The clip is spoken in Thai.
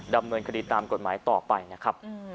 ดำเนินคดีตามกฎหมายต่อไปนะครับ